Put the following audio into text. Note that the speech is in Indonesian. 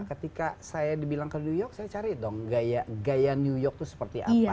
ketika saya dibilang ke new york saya cari dong gaya new york itu seperti apa